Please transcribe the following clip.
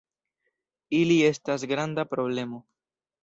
Ili estas granda problemo.